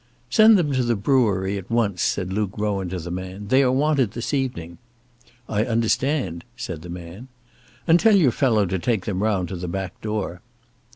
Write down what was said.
"Send them to the brewery at once," said Luke Rowan to the man. "They are wanted this evening." "I understand," said the man. "And tell your fellow to take them round to the back door."